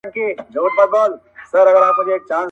• هره شېبه ولګېږي زر شمعي -